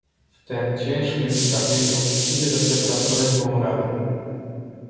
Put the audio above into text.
"W tem ciężkiem strapieniu idzie do Piotra z prośbą o radę."